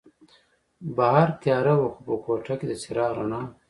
بهر تیاره وه خو په کوټه کې د څراغ رڼا وه.